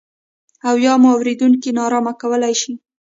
او یا مو اورېدونکي نا ارامه کولای شي.